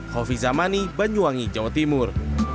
hovi zamani banyuwangi jawa timur